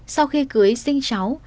sau khi cưới sinh cháu